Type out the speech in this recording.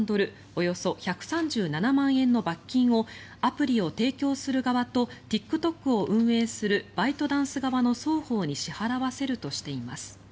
およそ１３７万円の罰金をアプリを提供する側とＴｉｋＴｏｋを運営するバイトダンス側の双方に支払わせるとしています。